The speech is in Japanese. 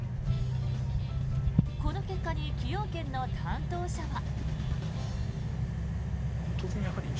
この結果に崎陽軒の担当者は。